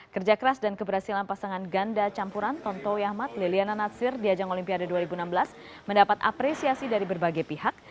kerja keras dan keberhasilan pasangan ganda campuran tonto yahmat liliana natsir di ajang olimpiade dua ribu enam belas mendapat apresiasi dari berbagai pihak